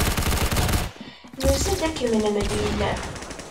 Nusa-d ad kem-nemlil.